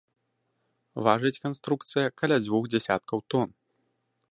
Важыць канструкцыя каля двух дзясяткаў тон.